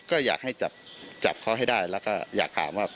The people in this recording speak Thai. ก็อยากให้จับเขาให้ได้แล้วก็อยากถามว่า